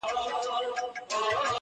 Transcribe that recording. درته یادیږي بېله جنګه د خپل ښار خبري؟،